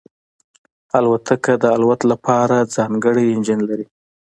الوتکه د الوت لپاره ځانګړی انجن لري.